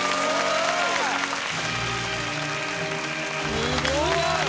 すごい！